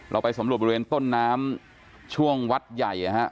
เราไปสำรวจบริเวณต้นน้ำช่วงวัดใหญ่